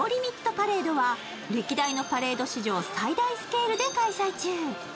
パレードは歴代のパレード史上最大スケールで開催中。